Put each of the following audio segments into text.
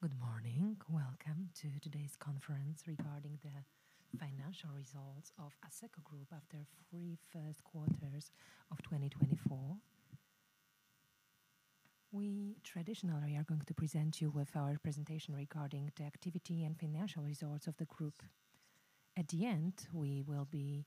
Good morning. Welcome to today's conference regarding the financial results of Asseco Group after three first quarters of 2024. We traditionally are going to present you with our presentation regarding the activity and financial results of the group. At the end, we will be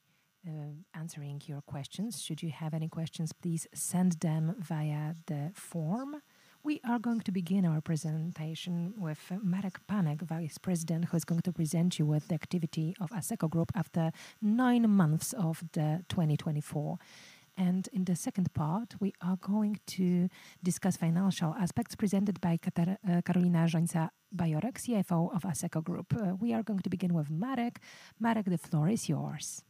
answering your questions. Should you have any questions, please send them via the form. We are going to begin our presentation with Marek Panek, Vice President, who is going to present you with the activity of Asseco Group after nine months of 2024. And in the second part, we are going to discuss financial aspects presented by Karolina Rzońca-Bajorek, CFO of Asseco Group. We are going to begin with Marek. Marek, the floor is yours.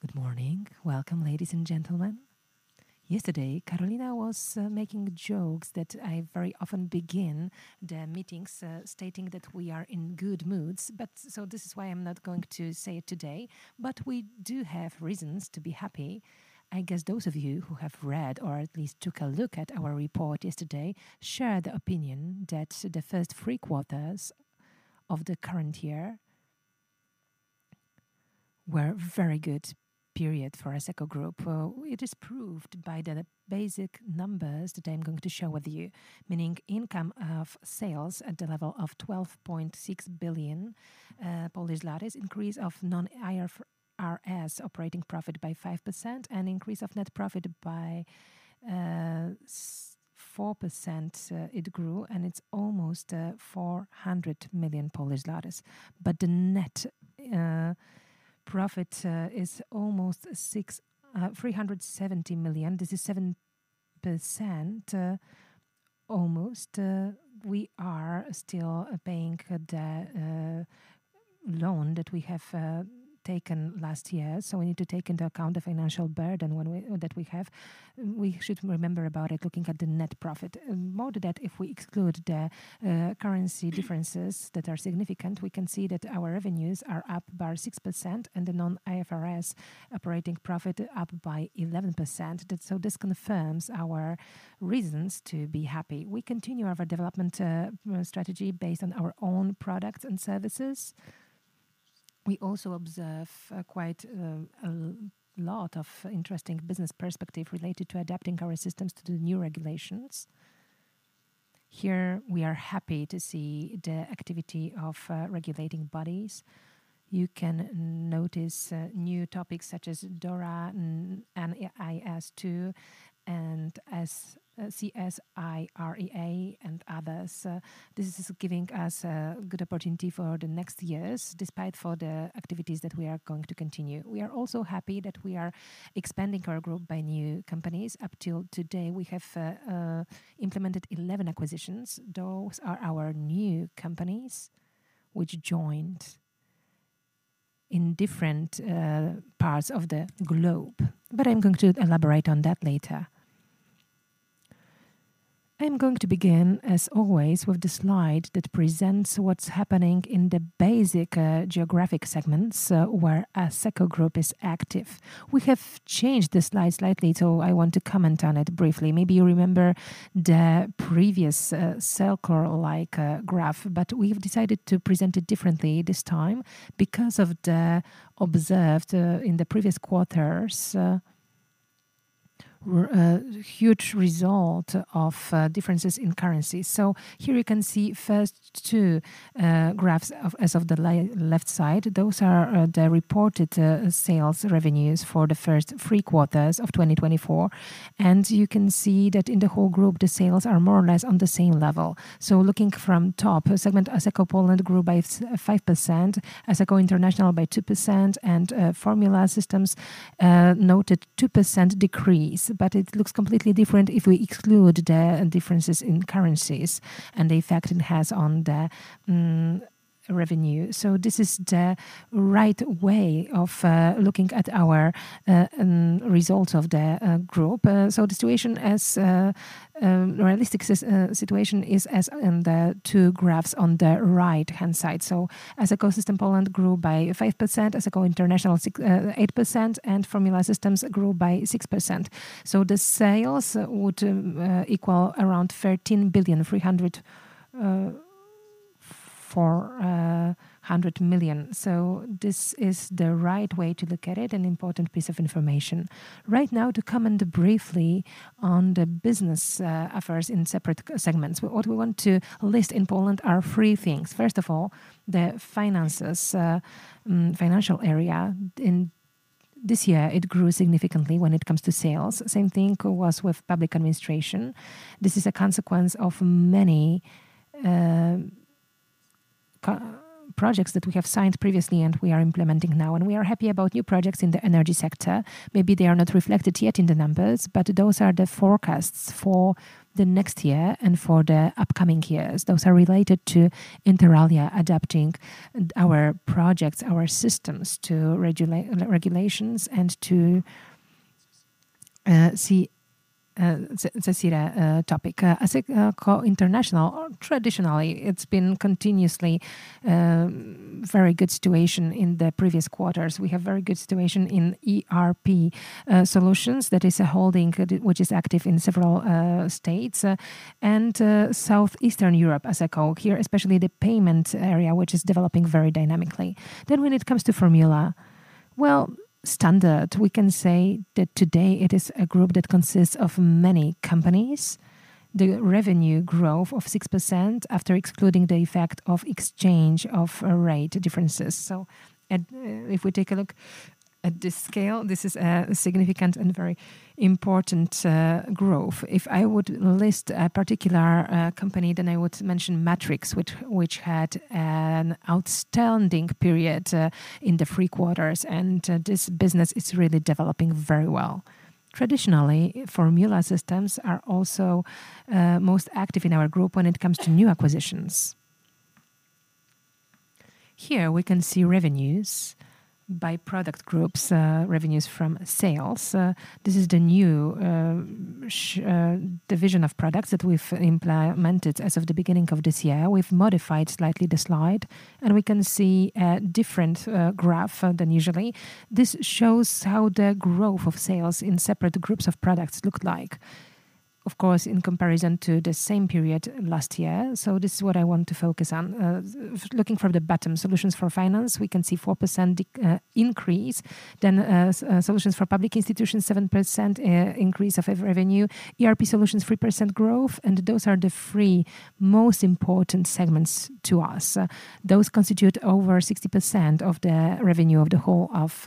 Good morning. Welcome, ladies and gentlemen. Yesterday, Karolina was making jokes that I very often begin the meetings stating that we are in good moods, but so this is why I'm not going to say it today. But we do have reasons to be happy. I guess those of you who have read or at least took a look at our report yesterday share the opinion that the first three quarters of the current year were a very good period for Asseco Group. It is proved by the basic numbers that I'm going to share with you, meaning income of sales at the level of 12.6 billion, increase of non-IFRS operating profit by 5%, and increase of net profit by 4%. It grew, and it's almost 400 million Polish zlotys. But the net profit is almost 370 million. This is 7% almost. We are still paying the loan that we have taken last year, so we need to take into account the financial burden that we have. We should remember about it, looking at the net profit. More to that, if we exclude the currency differences that are significant, we can see that our revenues are up by 6% and the non-IFRS operating profit up by 11%. So this confirms our reasons to be happy. We continue our development strategy based on our own products and services. We also observe quite a lot of interesting business perspectives related to adapting our systems to the new regulations. Here, we are happy to see the activity of regulating bodies. You can notice new topics such as DORA, NIS2, and CSIRE, and others. This is giving us a good opportunity for the next years, despite the activities that we are going to continue. We are also happy that we are expanding our group by new companies. Up till today, we have implemented 11 acquisitions. Those are our new companies which joined in different parts of the globe. But I'm going to elaborate on that later. I'm going to begin, as always, with the slide that presents what's happening in the basic geographic segments where Asseco Group is active. We have changed the slide slightly, so I want to comment on it briefly. Maybe you remember the previous circle-like graph, but we have decided to present it differently this time because of the observed in the previous quarters huge result of differences in currencies. So here you can see first two graphs as of the left side. Those are the reported sales revenues for the first three quarters of 2024. You can see that in the whole group, the sales are more or less on the same level. Looking from top segment, Asseco Poland grew by 5%, Asseco International by 2%, and Formula Systems noted a 2% decrease. It looks completely different if we exclude the differences in currencies and the effect it has on the revenue. This is the right way of looking at our results of the group. The situation as realistic situation is as in the two graphs on the right-hand side. Asseco Poland grew by 5%, Asseco International 8%, and Formula Systems grew by 6%. The sales would equal around 13 billion, 300 million-400 million. This is the right way to look at it, an important piece of information. Right now, to comment briefly on the business affairs in separate segments, what we want to list in Poland are three things. First of all, the finances, financial area. This year, it grew significantly when it comes to sales. Same thing was with public administration. This is a consequence of many projects that we have signed previously and we are implementing now. And we are happy about new projects in the energy sector. Maybe they are not reflected yet in the numbers, but those are the forecasts for the next year and for the upcoming years. Those are related to inter alia adapting our projects, our systems to regulations and to see the DORA topic. Asseco International, traditionally, it's been continuously very good situation in the previous quarters. We have very good situation in ERP solutions that is a holding which is active in several states and Southeastern Europe. Asseco here, especially the payment area which is developing very dynamically, then when it comes to Formula, well, standard, we can say that today it is a group that consists of many companies. The revenue growth of 6% after excluding the effect of exchange rate differences, so if we take a look at this scale, this is a significant and very important growth. If I would list a particular company, then I would mention Matrix, which had an outstanding period in the three quarters, and this business is really developing very well. Traditionally, Formula Systems are also most active in our group when it comes to new acquisitions. Here we can see revenues by product groups, revenues from sales. This is the new division of products that we've implemented as of the beginning of this year. We've modified slightly the slide, and we can see a different graph than usually. This shows how the growth of sales in separate groups of products looked like, of course, in comparison to the same period last year. So this is what I want to focus on. Looking from the bottom, solutions for finance, we can see 4% increase. Then solutions for public institutions, 7% increase of revenue. ERP solutions, 3% growth. And those are the three most important segments to us. Those constitute over 60% of the revenue of the whole of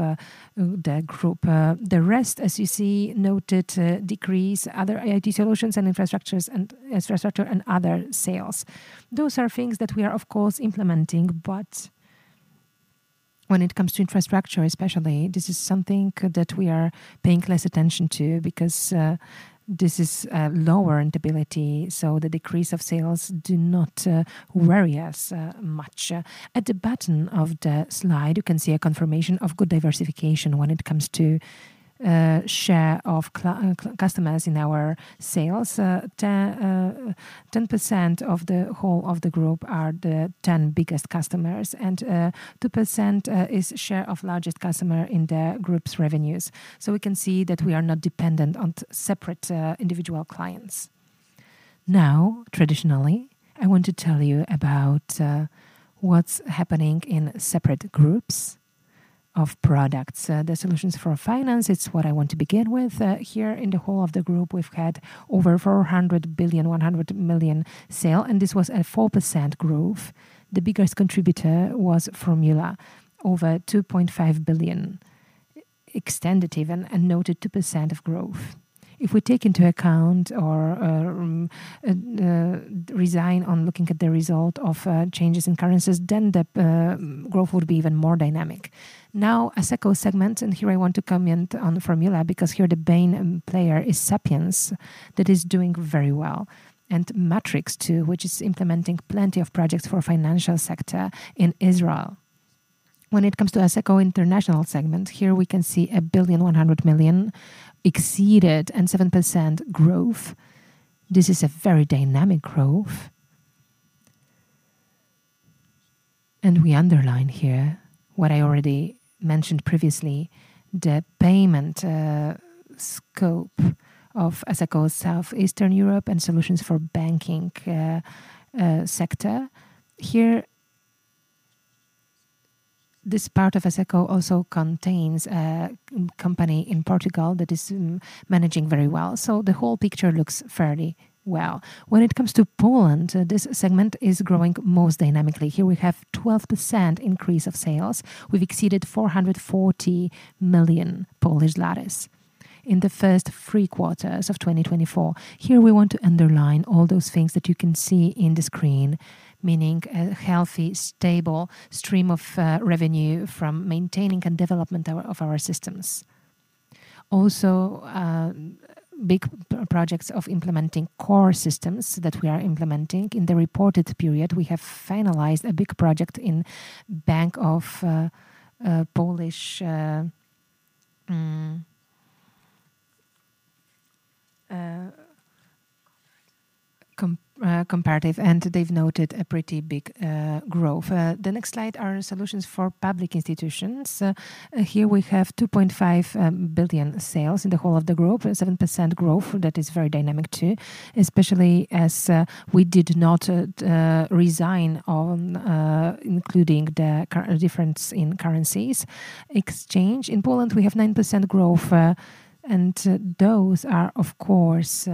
the group. The rest, as you see, noted decrease, other IT solutions and infrastructure and other sales. Those are things that we are, of course, implementing. But when it comes to infrastructure, especially, this is something that we are paying less attention to because this is lower instability. So the decrease of sales does not worry us much. At the bottom of the slide, you can see a confirmation of good diversification when it comes to share of customers in our sales. 10% of the whole of the group are the 10 biggest customers, and 2% is share of largest customer in the group's revenues. So we can see that we are not dependent on separate individual clients. Now, traditionally, I want to tell you about what's happening in separate groups of products. The solutions for finance, it's what I want to begin with. Here in the whole of the group, we've had over 4.1 billion sales, and this was a 4% growth. The biggest contributor was Formula, over 2.5 billion, exceeded even and noted 2% growth. If we take into account the changes in currencies, then the growth would be even more dynamic. Now, Asseco segment, and here I want to comment on Formula because here the main player is Sapiens that is doing very well and Matrix too, which is implementing plenty of projects for the financial sector in Israel. When it comes to Asseco International segment, here we can see exceeded PLN 1.1 billion and 7% growth. This is a very dynamic growth, and we underline here what I already mentioned previously, the payment scope of Asseco South Eastern Europe and solutions for banking sector. Here, this part of Asseco also contains a company in Portugal that is managing very well, so the whole picture looks fairly well. When it comes to Poland, this segment is growing most dynamically. Here we have a 12% increase of sales. We've exceeded 440 million in the first three quarters of 2024. Here we want to underline all those things that you can see in the screen, meaning a healthy, stable stream of revenue from maintaining and development of our systems. Also, big projects of implementing core systems that we are implementing in the reported period. We have finalized a big project in Bank of Polish Cooperatives, and they've noted a pretty big growth. The next slide are solutions for public institutions. Here we have 2.5 billion sales in the whole of the group, 7% growth that is very dynamic too, especially as we did not resign from including the current difference in currencies. Exchange in Poland, we have 9% growth, and those are, of course,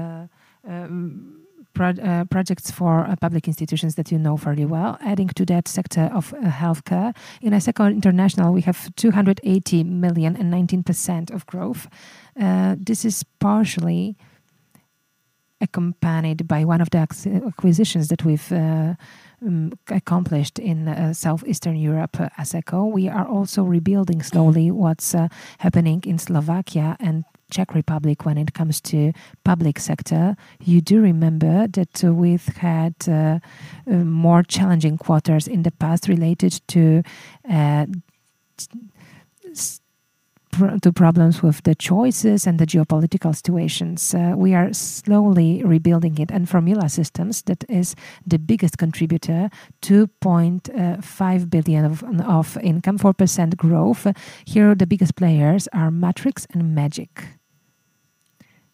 projects for public institutions that you know fairly well. Adding to that sector of healthcare, in Asseco International, we have 280 million and 19% growth. This is partially accompanied by one of the acquisitions that we've accomplished in Southeastern Europe, Asseco. We are also rebuilding slowly what's happening in Slovakia and Czech Republic when it comes to public sector. You do remember that we've had more challenging quarters in the past related to problems with the choices and the geopolitical situations. We are slowly rebuilding it. Formula Systems, that is the biggest contributor, 2.5 billion of income, 4% growth. Here, the biggest players are Matrix and Magic.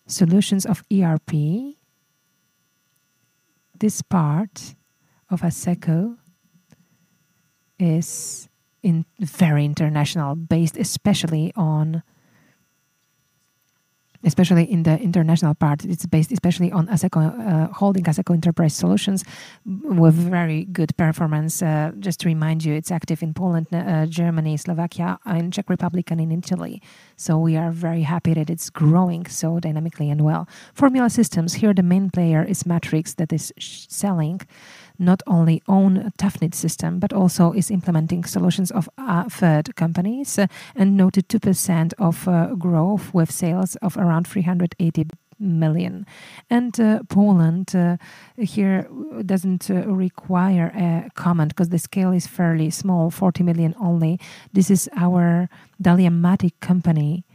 Solutions of ERP. This part of Asseco is very international based, especially on, especially in the international part, it's based especially on Asseco holding Asseco Enterprise Solutions with very good performance. Just to remind you, it's active in Poland, Germany, Slovakia, and Czech Republic and in Italy, so we are very happy that it's growing so dynamically and well. Formula Systems, here the main player is Matrix that is selling not only own Tafnit system, but also is implementing solutions of third companies and noted 2% of growth with sales of around 380 million, and Poland here doesn't require a comment because the scale is fairly small, 40 million only. This is our DahliaMatic company,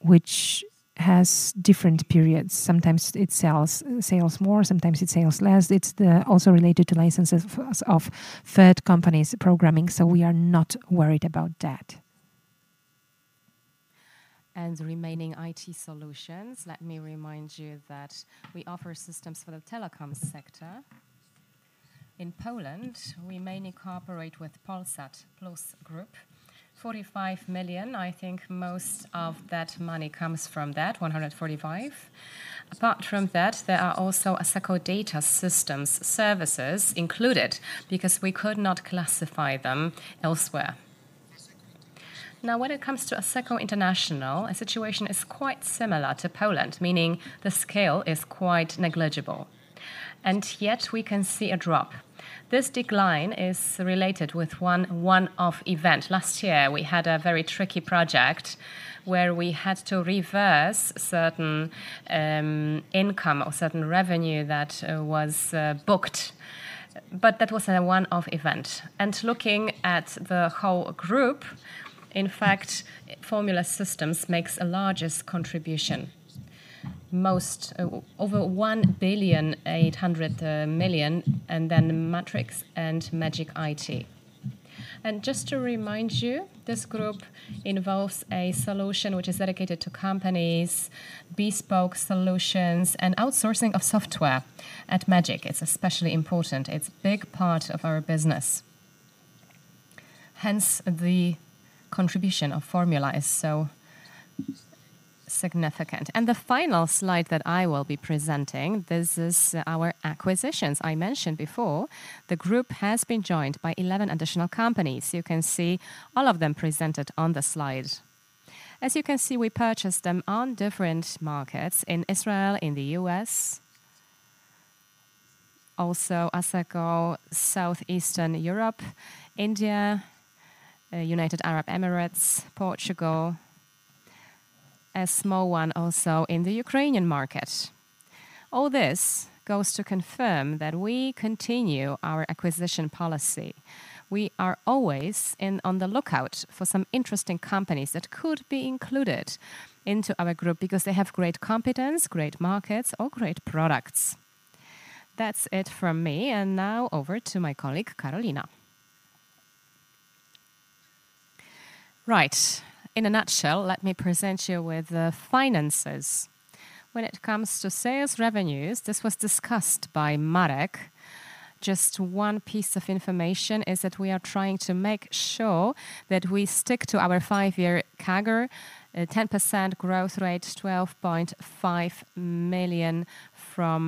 which has different periods. Sometimes it sells more, sometimes it sells less. It's also related to licenses of third companies programming, so we are not worried about that. The remaining IT solutions, let me remind you that we offer systems for the telecom sector. In Poland, we mainly cooperate with Polsat Plus Group. 45 million, I think most of that money comes from that, 145. Apart from that, there are also Asseco Data Systems services included because we could not classify them elsewhere. Now, when it comes to Asseco International, a situation is quite similar to Poland, meaning the scale is quite negligible. And yet we can see a drop. This decline is related with one-off event. Last year, we had a very tricky project where we had to reverse certain income or certain revenue that was booked, but that was a one-off event. And looking at the whole group, in fact, Formula Systems makes a largest contribution, most over 1 billion, 800 million, and then Matrix and Magic Software. Just to remind you, this group involves a solution which is dedicated to companies, bespoke solutions, and outsourcing of software at Magic. It's especially important. It's a big part of our business. Hence, the contribution of Formula is so significant. The final slide that I will be presenting, this is our acquisitions I mentioned before. The group has been joined by 11 additional companies. You can see all of them presented on the slide. As you can see, we purchased them on different markets in Israel, in the U.S., also Asseco South Eastern Europe, India, United Arab Emirates, Portugal, a small one also in the Ukrainian market. All this goes to confirm that we continue our acquisition policy. We are always on the lookout for some interesting companies that could be included into our group because they have great competence, great markets, or great products. That's it from me. And now over to my colleague, Karolina. Right. In a nutshell, let me present you with finances. When it comes to sales revenues, this was discussed by Marek. Just one piece of information is that we are trying to make sure that we stick to our five-year CAGR, 10% growth rate, 12.5 million from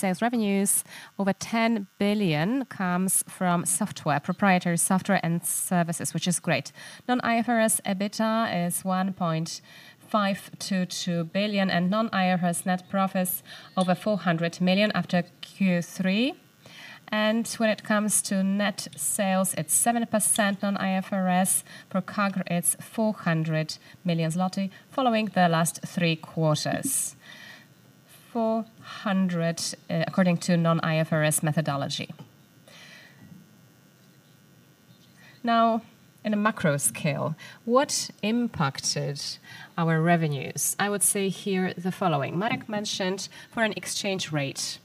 sales revenues. Over 10 billion comes from software, proprietary software and services, which is great. Non-IFRS EBITDA is 1.522 billion and non-IFRS net profits over 400 million after Q3. And when it comes to net sales, it's 7% non-IFRS. For CAGR, it's 400 million zloty following the last three quarters, 400 according to non-IFRS methodology. Now, in a macro scale, what impacted our revenues? I would say here the following. Marek mentioned foreign exchange rate.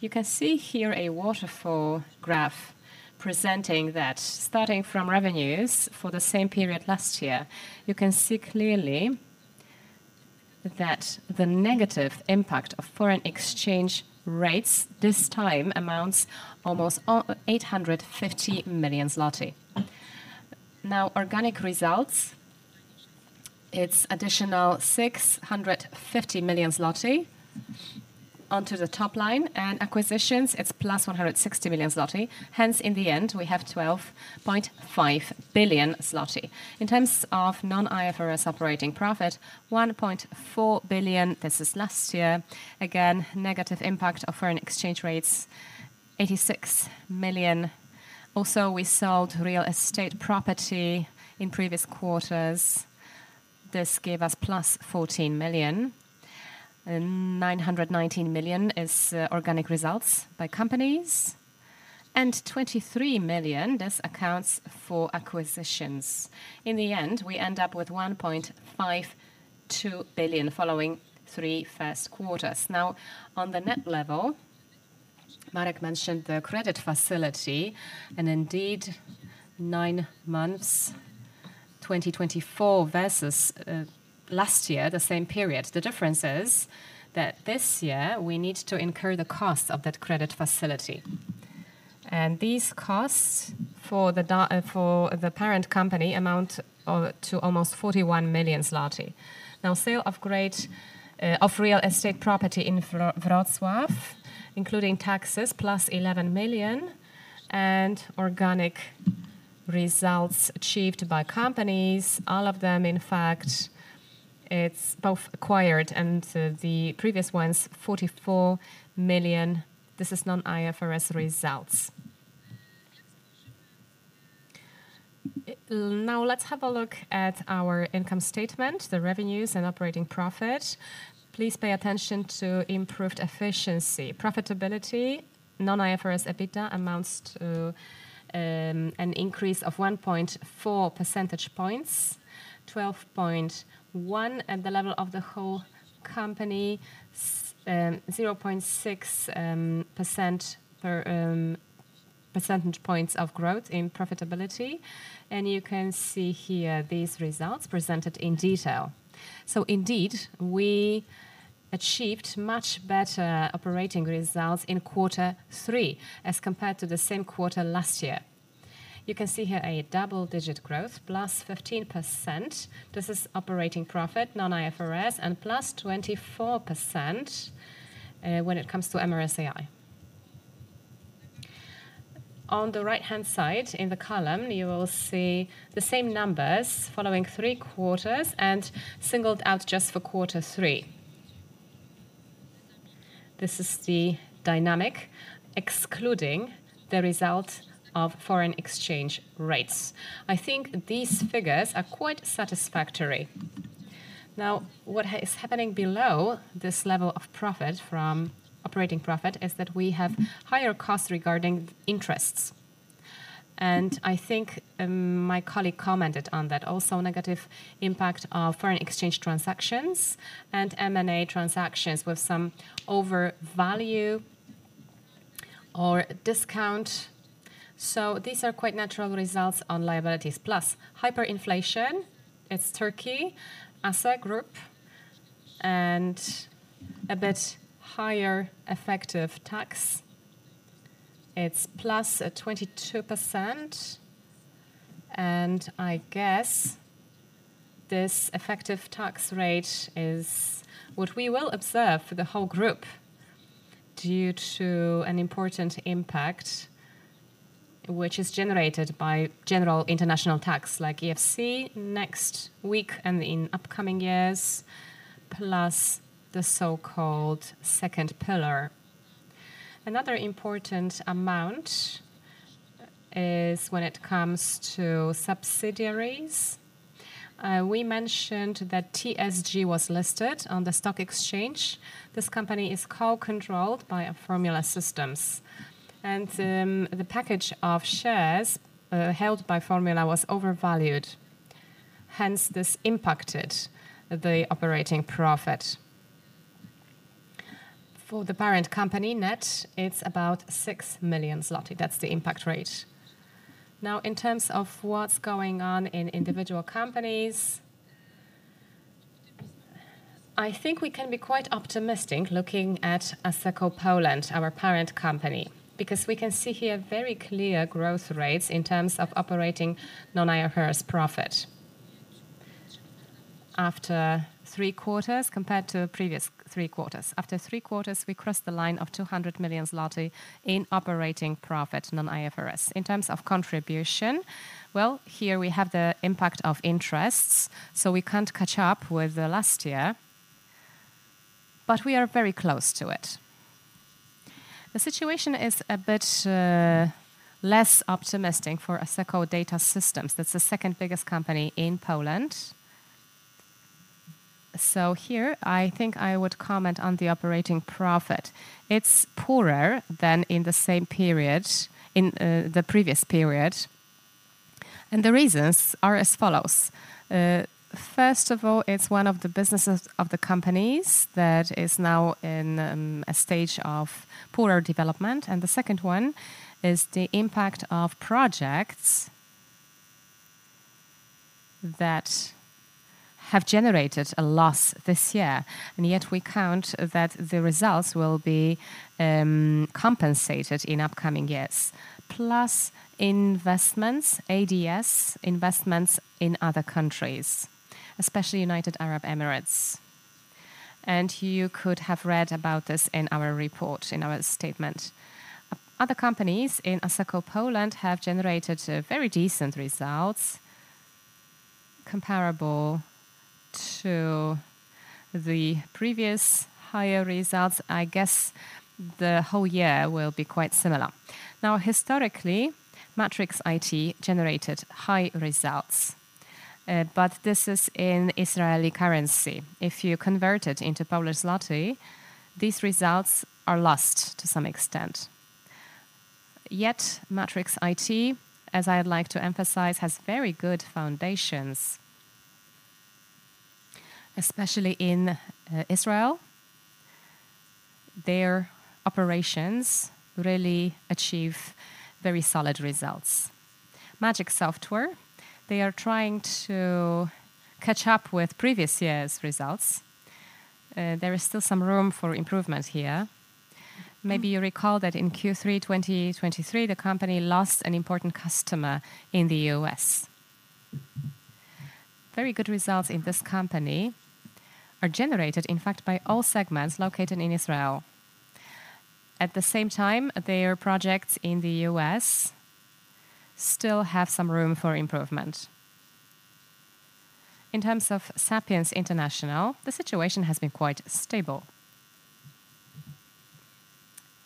You can see here a waterfall graph presenting that starting from revenues for the same period last year. You can see clearly that the negative impact of foreign exchange rates this time amounts to almost 850 million zloty. Now, organic results, it's additional 650 million zloty onto the top line, and acquisitions, it's plus 160 million zloty. Hence, in the end, we have 12.5 billion zloty. In terms of non-IFRS operating profit, 1.4 billion, this is last year. Again, negative impact of foreign exchange rates, 86 million. Also, we sold real estate property in previous quarters. This gave us plus 14 million. 919 million is organic results by companies, and 23 million, this accounts for acquisitions. In the end, we end up with 1.52 billion following three first quarters. Now, on the net level, Marek mentioned the credit facility, and indeed nine months, 2024 versus last year, the same period. The difference is that this year we need to incur the cost of that credit facility. These costs for the parent company amount to almost 41 million zloty. Now, sale of real estate property in Wrocław, including taxes, plus 11 million. Organic results achieved by companies, all of them, in fact, it's both acquired and the previous ones, 44 million. This is non-IFRS results. Now, let's have a look at our income statement, the revenues and operating profit. Please pay attention to improved efficiency. Profitability, non-IFRS EBITDA amounts to an increase of 1.4 percentage points, 12.1% at the level of the whole company, 0.6 percentage points of growth in profitability. You can see here these results presented in detail. Indeed, we achieved much better operating results in quarter three as compared to the same quarter last year. You can see here a double-digit growth, plus 15%. This is operating profit, non-IFRS, and plus 24% when it comes to EBIT. On the right-hand side in the column, you will see the same numbers following three quarters and singled out just for quarter three. This is the dynamic excluding the result of foreign exchange rates. I think these figures are quite satisfactory. Now, what is happening below this level of profit from operating profit is that we have higher costs regarding interests, and I think my colleague commented on that, also negative impact of foreign exchange transactions and M&A transactions with some overvalue or discount, so these are quite natural results on liabilities, plus hyperinflation. It's Turkey, Asseco Group, and a bit higher effective tax. It's plus 22%, and I guess this effective tax rate is what we will observe for the whole group due to an important impact, which is generated by general international tax like CFC next week and in upcoming years, plus the so-called second pillar. Another important amount is when it comes to subsidiaries. We mentioned that TSG was listed on the stock exchange. This company is co-controlled by Formula Systems, and the package of shares held by Formula was overvalued. Hence, this impacted the operating profit. For the parent company net, it's about 6 million zloty. That's the impact rate. Now, in terms of what's going on in individual companies, I think we can be quite optimistic looking at Asseco Poland, our parent company, because we can see here very clear growth rates in terms of operating non-IFRS profit after three quarters compared to previous three quarters. After three quarters, we crossed the line of 200 million zloty in operating profit non-IFRS. In terms of contribution, well, here we have the impact of interests, so we can't catch up with last year, but we are very close to it. The situation is a bit less optimistic for Asseco Data Systems. That's the second biggest company in Poland. So here, I think I would comment on the operating profit. It's poorer than in the same period, in the previous period. And the reasons are as follows. First of all, it's one of the businesses of the companies that is now in a stage of poorer development. And the second one is the impact of projects that have generated a loss this year. And yet we count that the results will be compensated in upcoming years. Plus investments, ADS investments in other countries, especially United Arab Emirates. And you could have read about this in our report, in our statement. Other companies in Asseco Poland have generated very decent results comparable to the previous higher results. I guess the whole year will be quite similar. Now, historically, Matrix IT generated high results, but this is in Israeli currency. If you convert it into Polish zloty, these results are lost to some extent. Yet Matrix IT, as I'd like to emphasize, has very good foundations, especially in Israel. Their operations really achieve very solid results. Magic Software, they are trying to catch up with previous year's results. There is still some room for improvement here. Maybe you recall that in Q3 2023, the company lost an important customer in the U.S. Very good results in this company are generated, in fact, by all segments located in Israel. At the same time, their projects in the U.S. still have some room for improvement. In terms of Sapiens International, the situation has been quite stable.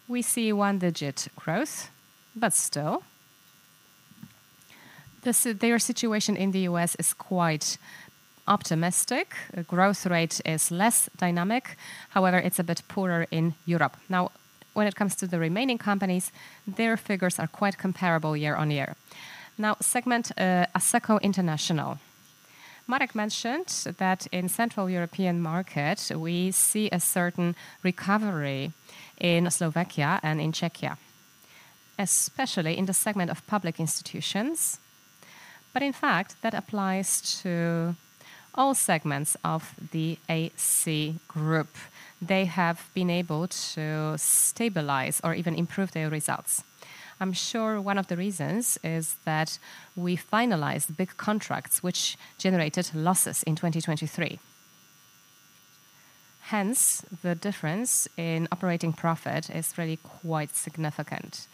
We see one-digit growth, but still, their situation in the U.S. is quite optimistic. Growth rate is less dynamic. However, it's a bit poorer in Europe. Now, when it comes to the remaining companies, their figures are quite comparable year on year. Now, segment Asseco International. Marek mentioned that in Central European market, we see a certain recovery in Slovakia and in Czechia, especially in the segment of public institutions. But in fact, that applies to all segments of the Asseco Group. They have been able to stabilize or even improve their results. I'm sure one of the reasons is that we finalized big contracts, which generated losses in 2023. Hence, the difference in operating profit is really quite significant.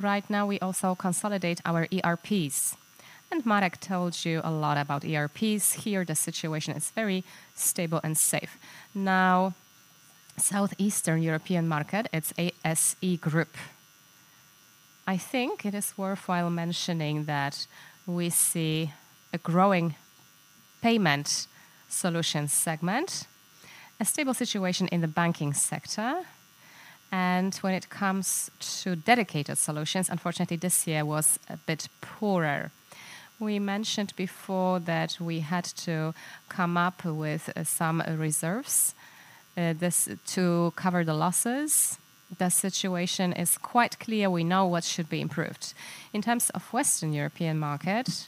Right now, we also consolidate our ERPs, and Marek told you a lot about ERPs. Here, the situation is very stable and safe. Now, Southeastern European market, it's ASEE Group. I think it is worthwhile mentioning that we see a growing payment solution segment, a stable situation in the banking sector, and when it comes to dedicated solutions, unfortunately, this year was a bit poorer. We mentioned before that we had to come up with some reserves to cover the losses. The situation is quite clear. We know what should be improved. In terms of Western European market,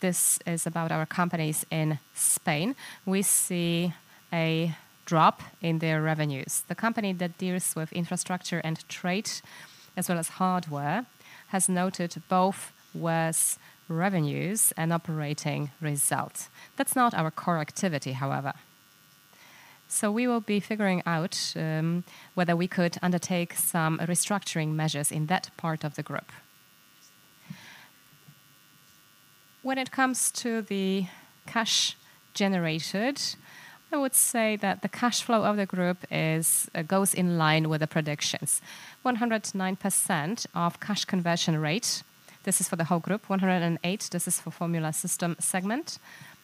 this is about our companies in Spain. We see a drop in their revenues. The company that deals with infrastructure and trade, as well as hardware, has noted both worse revenues and operating results. That's not our core activity, however, so we will be figuring out whether we could undertake some restructuring measures in that part of the group. When it comes to the cash generated, I would say that the cash flow of the group goes in line with the predictions. 109% cash conversion rate, this is for the whole group, 108%, this is for Formula Systems segment.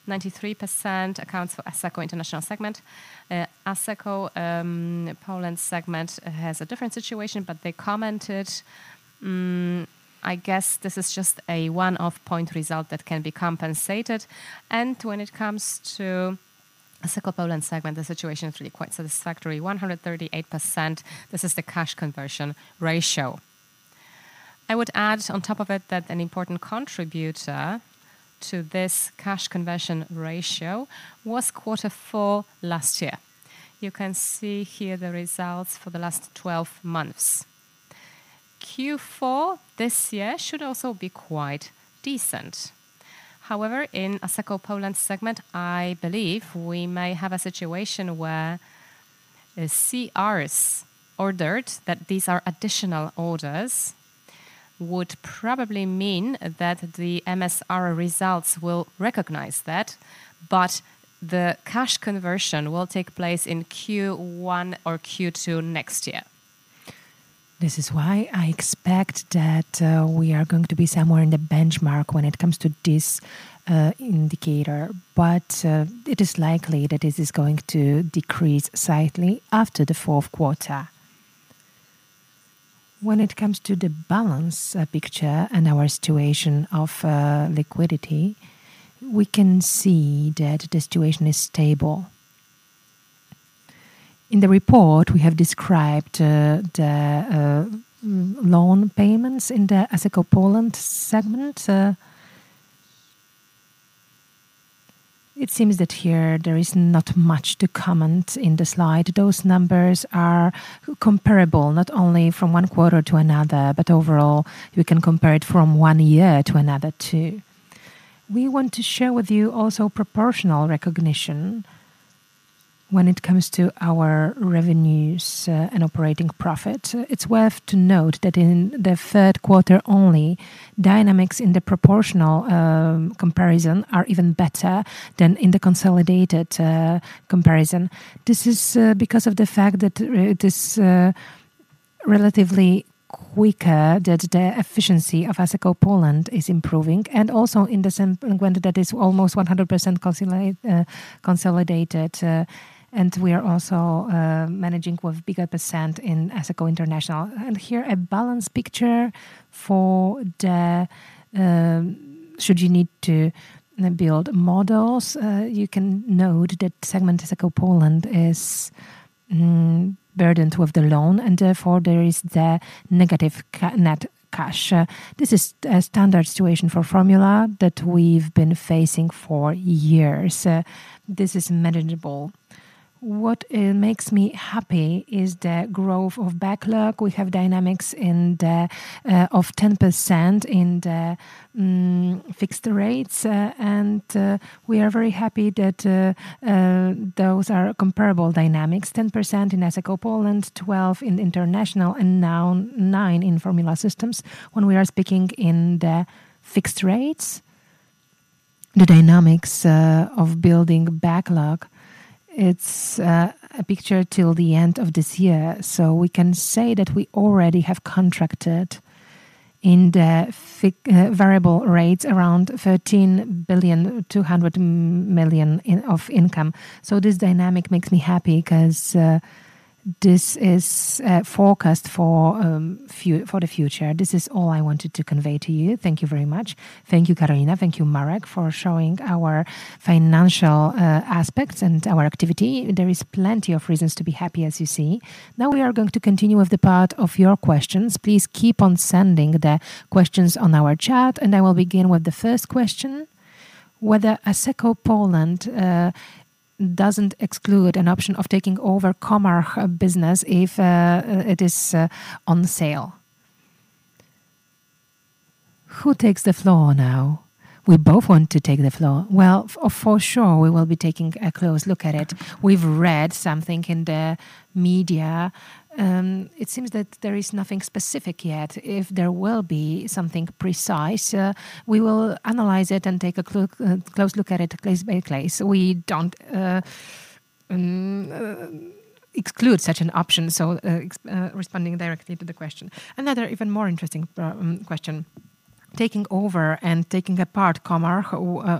93% accounts for Asseco International segment. Asseco Poland segment has a different situation, but they commented, I guess this is just a one-off point result that can be compensated, and when it comes to Asseco Poland segment, the situation is really quite satisfactory. 138%, this is the cash conversion ratio. I would add on top of it that an important contributor to this cash conversion ratio was quarter four last year. You can see here the results for the last 12 months. Q4 this year should also be quite decent. However, in Asseco Poland segment, I believe we may have a situation where CRs ordered, that these are additional orders, would probably mean that the MSR results will recognize that, but the cash conversion will take place in Q1 or Q2 next year. This is why I expect that we are going to be somewhere in the benchmark when it comes to this indicator. But it is likely that this is going to decrease slightly after the fourth quarter. When it comes to the balance picture and our situation of liquidity, we can see that the situation is stable. In the report, we have described the loan payments in the Asseco Poland segment. It seems that here there is not much to comment in the slide. Those numbers are comparable not only from one quarter to another, but overall, you can compare it from one year to another too. We want to share with you also proportional recognition when it comes to our revenues and operating profit. It's worth noting that in the third quarter only, dynamics in the proportional comparison are even better than in the consolidated comparison. This is because of the fact that it is relatively quicker that the efficiency of Asseco Poland is improving. Also in the segment that is almost 100% consolidated. We are also managing with a bigger percent in Asseco International. Here a balanced picture for those who need to build models, you can note that segment Asseco Poland is burdened with the loan and therefore there is the negative net cash. This is a standard situation for Formula that we've been facing for years. This is manageable. What makes me happy is the growth of backlog. We have dynamics in the order of 10% in the fixed rates. And we are very happy that those are comparable dynamics. 10% in Asseco Poland, 12% in Asseco International, and now 9% in Formula Systems. When we are speaking in the fixed rates, the dynamics of building backlog, it's a picture till the end of this year. So we can say that we already have contracted in the variable rates around 13.2 billion of income. So this dynamic makes me happy because this is forecast for the future. This is all I wanted to convey to you. Thank you very much. Thank you, Karolina. Thank you, Marek, for showing our financial aspects and our activity. There is plenty of reasons to be happy, as you see. Now we are going to continue with the part of your questions. Please keep on sending the questions on our chat. I will begin with the first question. Whether Asseco Poland doesn't exclude an option of taking over Comarch business if it is on sale? Who takes the floor now? We both want to take the floor. For sure, we will be taking a close look at it. We've read something in the media. It seems that there is nothing specific yet. If there will be something precise, we will analyze it and take a close look at it case by case. We don't exclude such an option. Responding directly to the question. Another even more interesting question. Taking over and taking apart Comarch,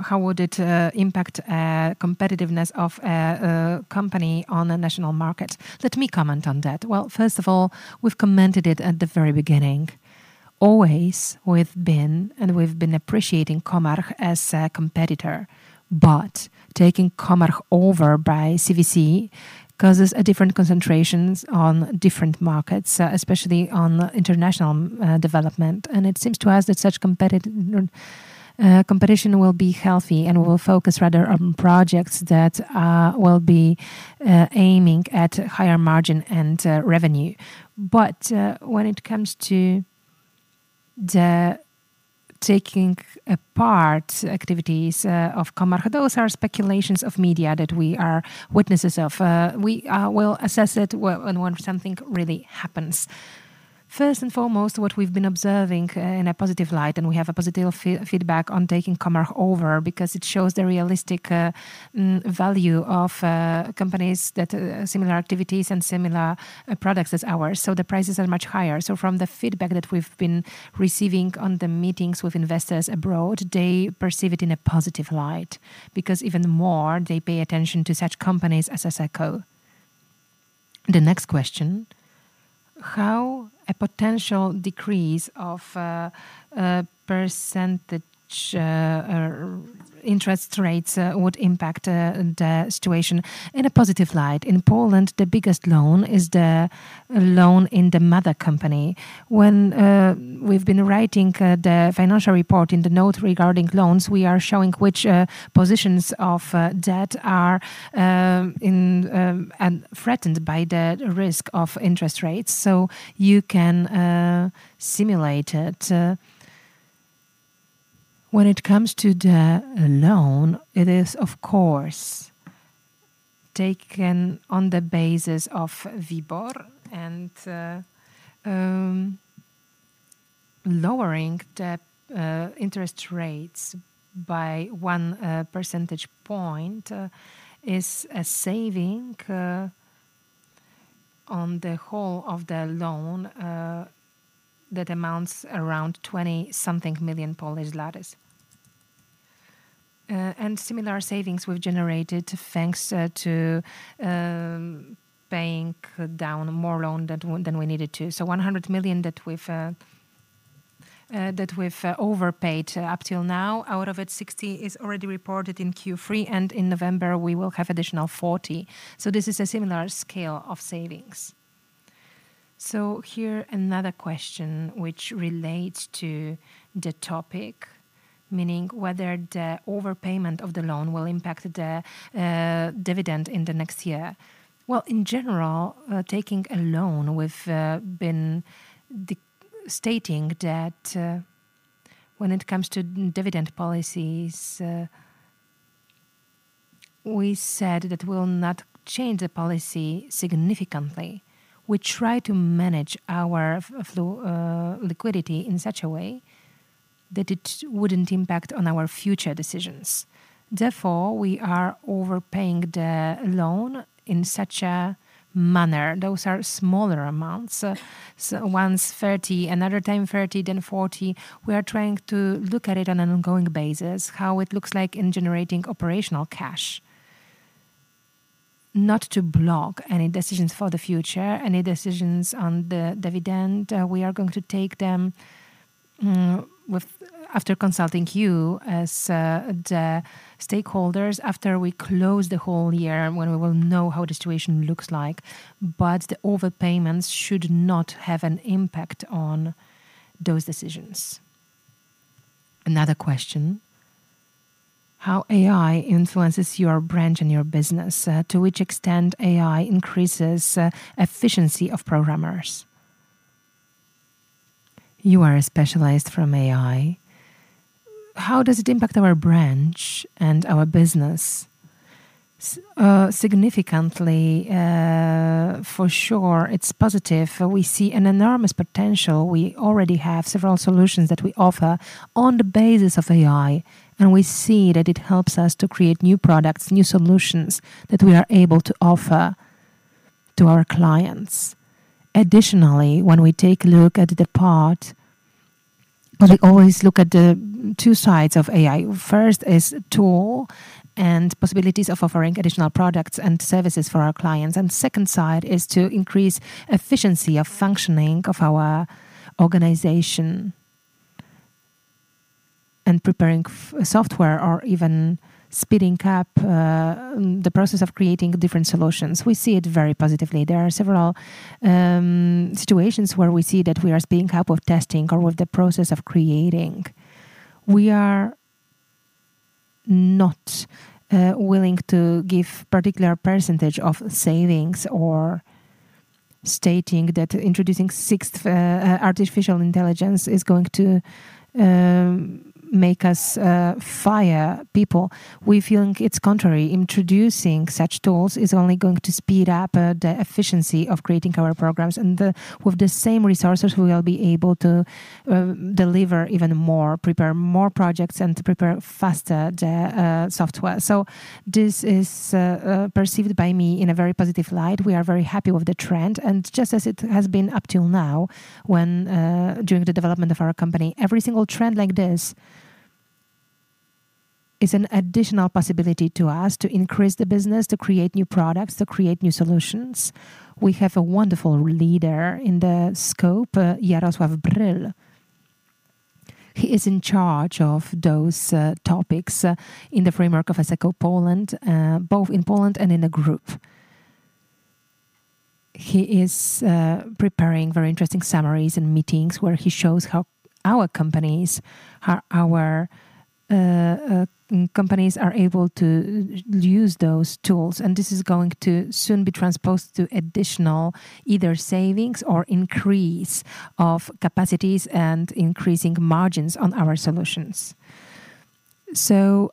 how would it impact competitiveness of a company on a national market? Let me comment on that. First of all, we've commented it at the very beginning. Always we've been appreciating Comarch as a competitor. But taking Comarch over by CVC causes different concentrations on different markets, especially on international development. And it seems to us that such competition will be healthy and will focus rather on projects that will be aiming at higher margin and revenue. But when it comes to the taking apart activities of Comarch, those are speculations of media that we are witnesses of. We will assess it when something really happens. First and foremost, what we've been observing in a positive light, and we have a positive feedback on taking Comarch over because it shows the realistic value of companies that have similar activities and similar products as ours. So the prices are much higher. So from the feedback that we've been receiving on the meetings with investors abroad, they perceive it in a positive light because even more they pay attention to such companies as Asseco. The next question, how a potential decrease of percentage interest rates would impact the situation in a positive light. In Poland, the biggest loan is the loan in the mother company. When we've been writing the financial report in the note regarding loans, we are showing which positions of debt are threatened by the risk of interest rates. So you can simulate it. When it comes to the loan, it is, of course, taken on the basis of WIBOR. And lowering the interest rates by one percentage point is a saving on the whole of the loan that amounts around 20-something million. And similar savings we've generated thanks to paying down more loan than we needed to. So 100 million that we've overpaid up till now, out of it 60 million is already reported in Q3. And in November, we will have additional 40 million. So this is a similar scale of savings. So here another question which relates to the topic, meaning whether the overpayment of the loan will impact the dividend in the next year. Well, in general, taking a loan, we've been stating that when it comes to dividend policies, we said that we'll not change the policy significantly. We try to manage our liquidity in such a way that it wouldn't impact on our future decisions. Therefore, we are overpaying the loan in such a manner. Those are smaller amounts. So once 30, another time 30, then 40. We are trying to look at it on an ongoing basis, how it looks like in generating operational cash. Not to block any decisions for the future, any decisions on the dividend. We are going to take them after consulting you as the stakeholders after we close the whole year when we will know how the situation looks like. But the overpayments should not have an impact on those decisions. Another question. How AI influences your branch and your business? To which extent AI increases efficiency of programmers? You are specialized from AI. How does it impact our branch and our business? Significantly, for sure, it's positive. We see an enormous potential. We already have several solutions that we offer on the basis of AI. And we see that it helps us to create new products, new solutions that we are able to offer to our clients. Additionally, when we take a look at the part, we always look at the two sides of AI. First is tool and possibilities of offering additional products and services for our clients. Second side is to increase efficiency of functioning of our organization and preparing software or even speeding up the process of creating different solutions. We see it very positively. There are several situations where we see that we are speeding up with testing or with the process of creating. We are not willing to give particular percentage of savings or stating that introducing such artificial intelligence is going to make us fire people. We feel it's contrary. Introducing such tools is only going to speed up the efficiency of creating our programs. With the same resources, we will be able to deliver even more, prepare more projects and prepare faster the software. This is perceived by me in a very positive light. We are very happy with the trend. Just as it has been up till now, during the development of our company, every single trend like this is an additional possibility to us to increase the business, to create new products, to create new solutions. We have a wonderful leader in the scope, Jarosław Bryl. He is in charge of those topics in the framework of Asseco Poland, both in Poland and in a group. He is preparing very interesting summaries and meetings where he shows how our companies are able to use those tools. And this is going to soon be transposed to additional either savings or increase of capacities and increasing margins on our solutions.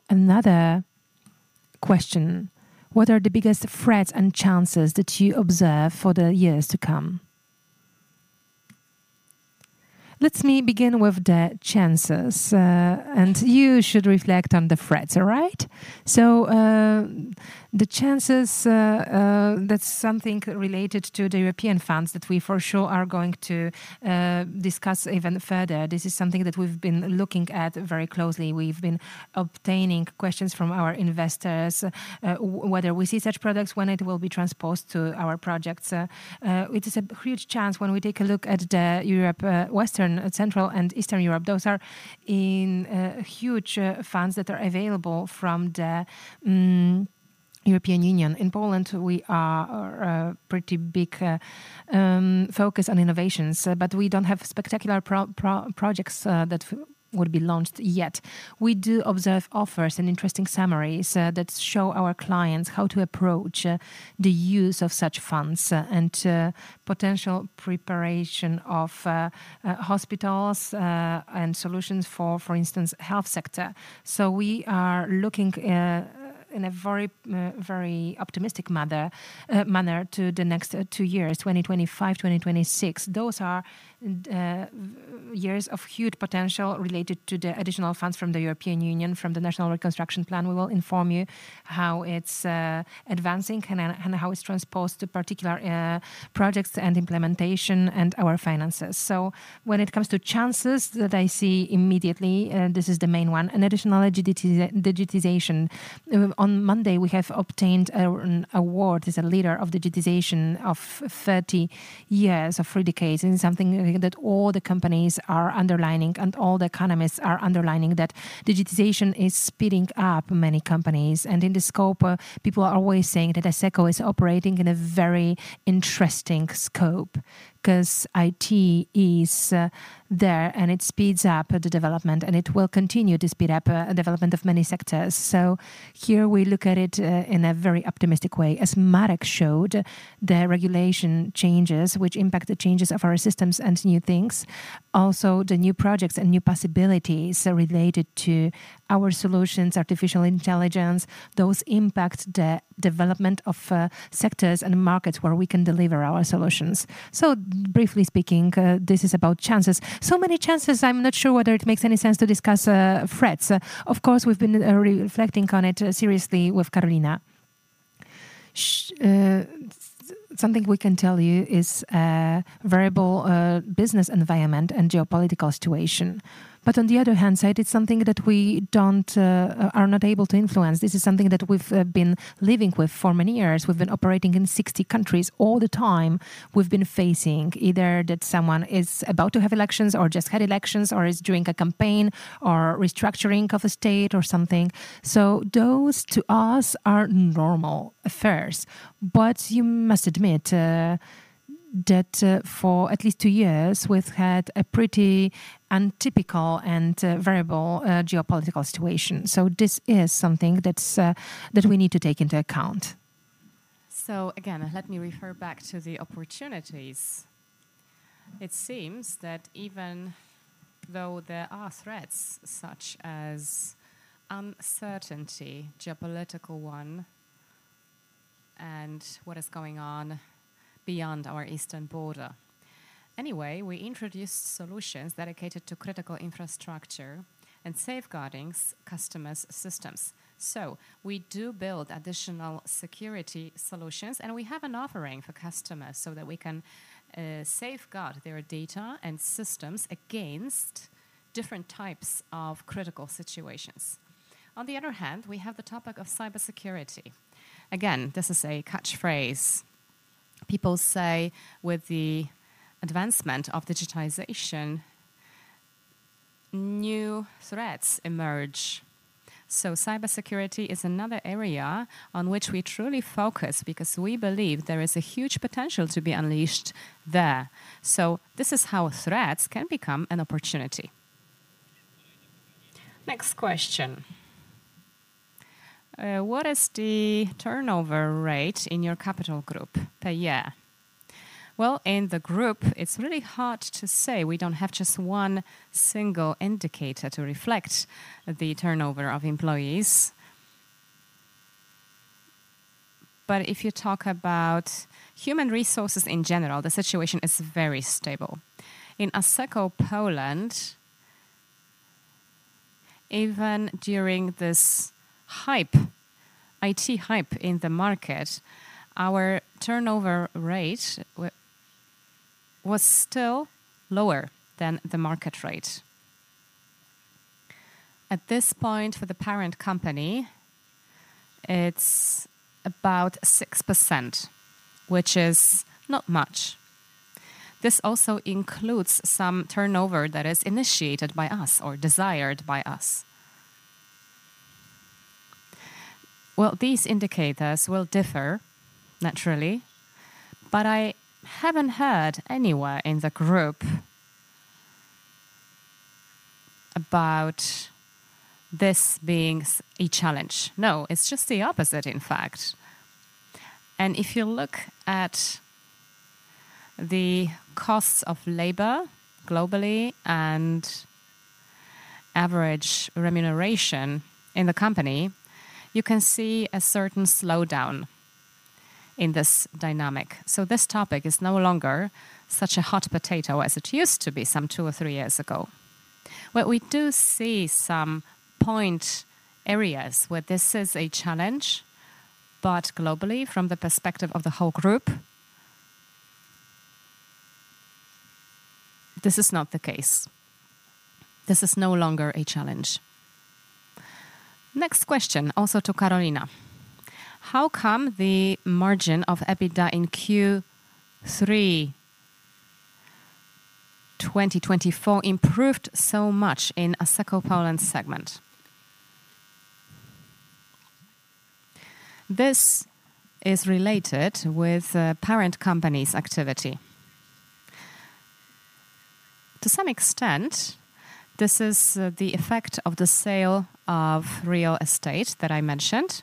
Another question. What are the biggest threats and chances that you observe for the years to come? Let me begin with the chances. You should reflect on the threats, all right? So the chances, that's something related to the European funds that we for sure are going to discuss even further. This is something that we've been looking at very closely. We've been obtaining questions from our investors whether we see such products, when it will be transposed to our projects. It is a huge chance when we take a look at the Western, Central, and Eastern Europe. Those are in huge funds that are available from the European Union. In Poland, we are a pretty big focus on innovations, but we don't have spectacular projects that would be launched yet. We do observe offers and interesting summaries that show our clients how to approach the use of such funds and potential preparation of hospitals and solutions for, for instance, the health sector. So we are looking in a very optimistic manner to the next two years, 2025, 2026. Those are years of huge potential related to the additional funds from the European Union, from the National Reconstruction Plan. We will inform you how it's advancing and how it's transposed to particular projects, implementation, and our finances. So when it comes to chances that I see immediately, this is the main one. And additional digitization. On Monday, we have obtained an award as a leader of digitization of 30 years of three decades. This is something that all the companies are underlining and all the economists are underlining that digitization is speeding up many companies. And in the scope, people are always saying that Asseco is operating in a very interesting scope because IT is there and it speeds up the development and it will continue to speed up the development of many sectors. So here we look at it in a very optimistic way. As Marek showed, the regulation changes, which impact the changes of our systems and new things. Also, the new projects and new possibilities related to our solutions, artificial intelligence, those impact the development of sectors and markets where we can deliver our solutions. So briefly speaking, this is about chances. So many chances. I'm not sure whether it makes any sense to discuss threats. Of course, we've been reflecting on it seriously with Karolina. Something we can tell you is a variable business environment and geopolitical situation. But on the other hand side, it's something that we are not able to influence. This is something that we've been living with for many years. We've been operating in 60 countries all the time. We've been facing either that someone is about to have elections or just had elections or is doing a campaign or restructuring of a state or something. So those to us are normal affairs. But you must admit that for at least two years, we've had a pretty untypical and variable geopolitical situation. So this is something that we need to take into account. So again, let me refer back to the opportunities. It seems that even though there are threats such as uncertainty, geopolitical one, and what is going on beyond our Eastern border. Anyway, we introduced solutions dedicated to critical infrastructure and safeguarding customers' systems. So we do build additional security solutions, and we have an offering for customers so that we can safeguard their data and systems against different types of critical situations. On the other hand, we have the topic of cybersecurity. Again, this is a catchphrase. People say with the advancement of digitization, new threats emerge. Cybersecurity is another area on which we truly focus because we believe there is a huge potential to be unleashed there. This is how threats can become an opportunity. Next question. What is the turnover rate in your capital group per year? In the group, it's really hard to say. We don't have just one single indicator to reflect the turnover of employees. But if you talk about human resources in general, the situation is very stable. In Asseco Poland, even during this IT hype in the market, our turnover rate was still lower than the market rate. At this point, for the parent company, it's about 6%, which is not much. This also includes some turnover that is initiated by us or desired by us. These indicators will differ, naturally, but I haven't heard anywhere in the group about this being a challenge. No, it's just the opposite, in fact, and if you look at the costs of labor globally and average remuneration in the company, you can see a certain slowdown in this dynamic, so this topic is no longer such a hot potato as it used to be some two or three years ago. Where we do see some pain points where this is a challenge, but globally, from the perspective of the whole group, this is not the case. This is no longer a challenge. Next question, also to Karolina. How come the margin of EBITDA in Q3 2024 improved so much in Asseco Poland segment? This is related with parent company's activity. To some extent, this is the effect of the sale of real estate that I mentioned,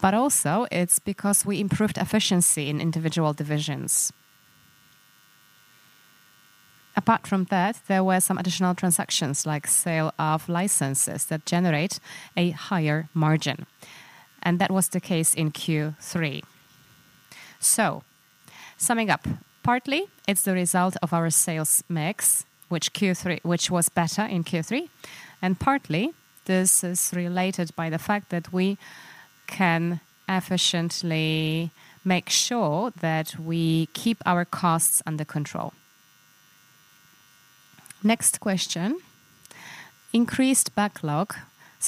but also it's because we improved efficiency in individual divisions. Apart from that, there were some additional transactions like sale of licenses that generate a higher margin. And that was the case in Q3. So summing up, partly, it's the result of our sales mix, which was better in Q3. And partly, this is related to the fact that we can efficiently make sure that we keep our costs under control. Next question. Increased backlog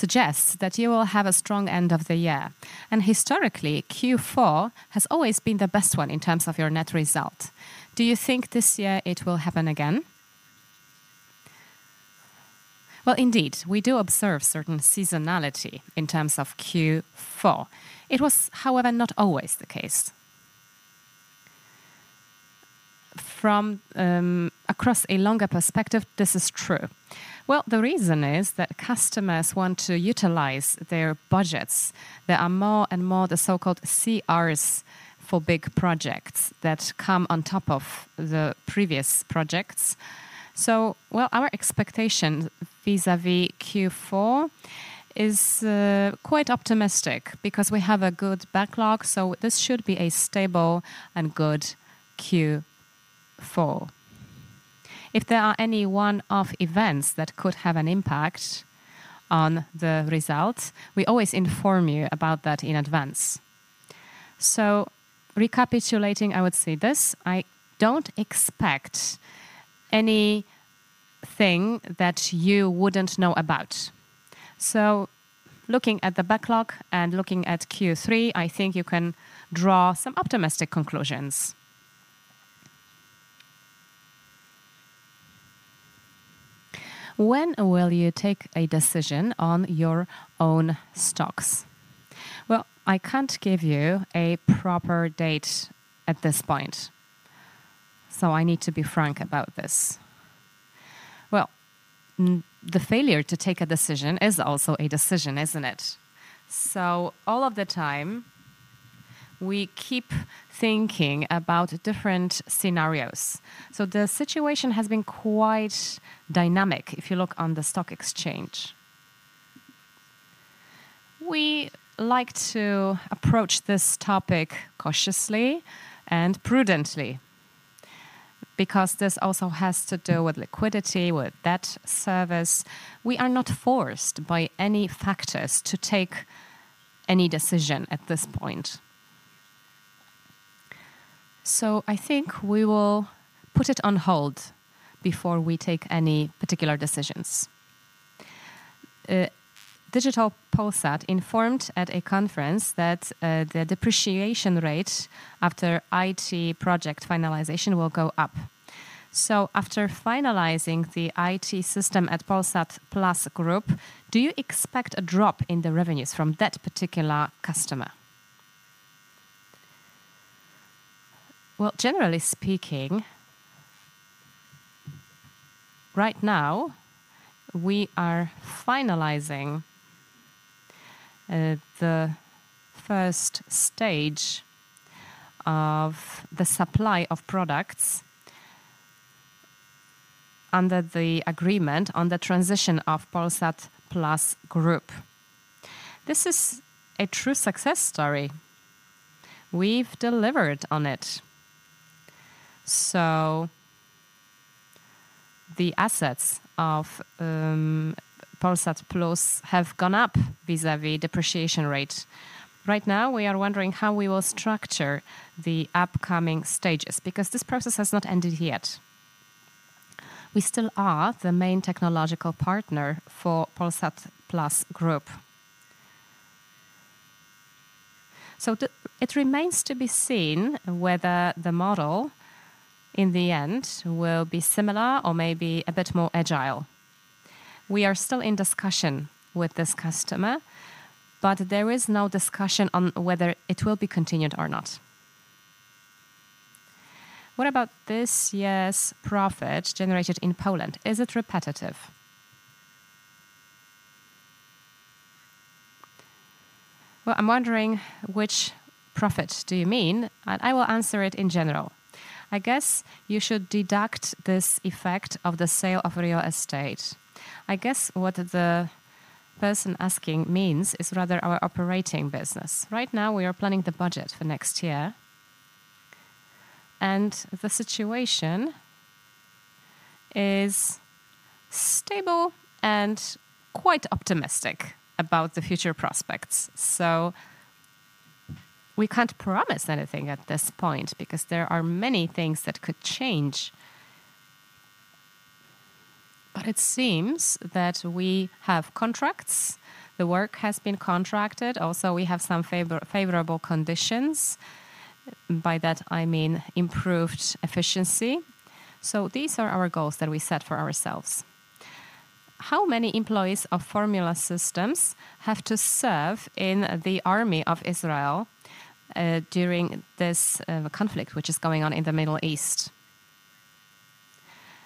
suggests that you will have a strong end of the year. And historically, Q4 has always been the best one in terms of your net result. Do you think this year it will happen again? Well, indeed, we do observe certain seasonality in terms of Q4. It was, however, not always the case. From a longer perspective, this is true. Well, the reason is that customers want to utilize their budgets. There are more and more the so-called CRs for big projects that come on top of the previous projects. So, well, our expectation vis-à-vis Q4 is quite optimistic because we have a good backlog. So this should be a stable and good Q4. If there are any one-off events that could have an impact on the results, we always inform you about that in advance. So recapitulating, I would say this. I don't expect anything that you wouldn't know about. So looking at the backlog and looking at Q3, I think you can draw some optimistic conclusions. When will you take a decision on your own stocks? Well, I can't give you a proper date at this point. So I need to be frank about this. Well, the failure to take a decision is also a decision, isn't it? So all of the time, we keep thinking about different scenarios. The situation has been quite dynamic if you look on the stock exchange. We like to approach this topic cautiously and prudently because this also has to do with liquidity, with debt service. We are not forced by any factors to take any decision at this point. So I think we will put it on hold before we take any particular decisions. Digital Polsat informed at a conference that the depreciation rate after IT project finalization will go up. So after finalizing the IT system at Polsat Plus Group, do you expect a drop in the revenues from that particular customer? Well, generally speaking, right now, we are finalizing the first stage of the supply of products under the agreement on the transition of Polsat Plus Group. This is a true success story. We've delivered on it. So the assets of Polsat Plus have gone up vis-à-vis depreciation rate. Right now, we are wondering how we will structure the upcoming stages because this process has not ended yet. We still are the main technological partner for Polsat Plus Group. So it remains to be seen whether the model in the end will be similar or maybe a bit more agile. We are still in discussion with this customer, but there is no discussion on whether it will be continued or not. What about this year's profit generated in Poland? Is it repetitive? I'm wondering which profit do you mean, and I will answer it in general. I guess you should deduct this effect of the sale of real estate. I guess what the person asking means is rather our operating business. Right now, we are planning the budget for next year and the situation is stable and quite optimistic about the future prospects. We can't promise anything at this point because there are many things that could change. But it seems that we have contracts. The work has been contracted. Also, we have some favorable conditions. By that, I mean improved efficiency. So these are our goals that we set for ourselves. How many employees of Formula Systems have to serve in the army of Israel during this conflict, which is going on in the Middle East?